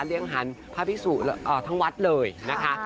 เรียงหันภาพิสูทั้งวัดเลยนะคะ